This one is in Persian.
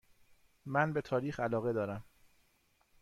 من به تاریخ علاقه دارم.